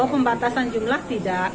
pembatasan jumlah tidak